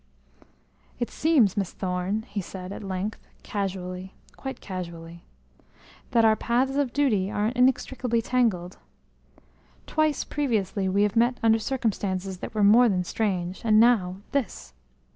"It seems, Miss Thorne," he said at length, casually, quite casually, "that our paths of duty are inextricably tangled. Twice previously we have met under circumstances that were more than strange, and now this!